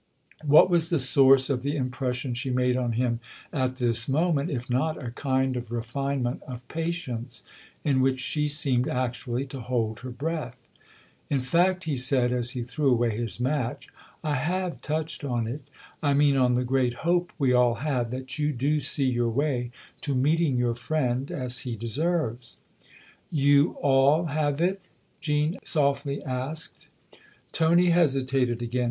What was the source of the impression she made on him at this moment if not a kind of refinement of patience, in which she seemed actually to hold her breath ?" In fact," he said as he threw away his match, " I have touched on it I mean on the great hope we all have that you do see your way to meeting your friend as he deserves." 172 THE OTHER HOUSE " You < all ' have it ?" Jean softly asked. Tony hesitated again.